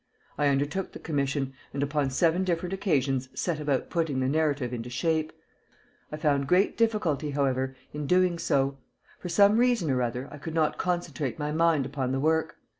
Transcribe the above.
I undertook the commission, and upon seven different occasions set about putting the narrative into shape. I found great difficulty, however, in doing so. For some reason or other I could not concentrate my mind upon the work.